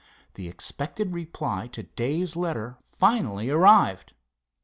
The expected reply to Dave's letter finally arrived.